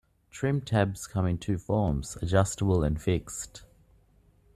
Trim tabs come in two forms, adjustable and fixed.